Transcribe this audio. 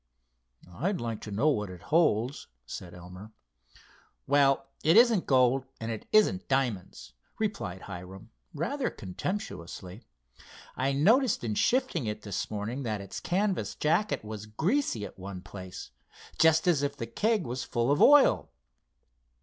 "I'd like to know what it holds," said Elmer. "Well, it isn't gold and it isn't diamonds," replied Hiram, rather contemptuously. "I noticed in shifting it this morning that its canvas jacket was greasy at one place, just as if the keg was full of oil."